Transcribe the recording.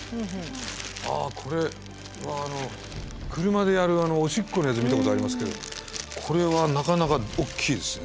ああこれはあの車でやるおしっこのやつ見たことありますけどこれはなかなか大きいですね。